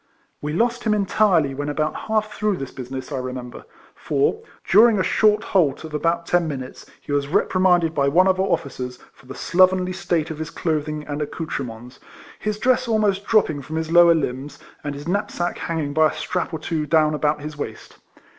We lost him entirely when about half through this business, I remember; for, during a short halt of about ten minutes he was rep rimanded by one of our officers for the 114 RECOLLECTIONS OF slovenly state of his clothing and accoutre ments ; his dress almost dropping from his lower limbs, and his knapsack hanging by a strap or two down about his waist.